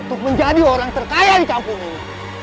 untuk menjadi orang terkaya di kampung ini